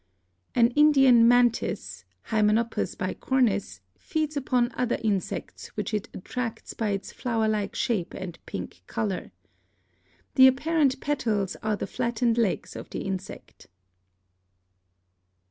"An Indian Mantis (Hymenopus bicornis) feeds upon other insects which it attracts by its flower like shape and pink color. The apparent petals are the flattened legs of the insect."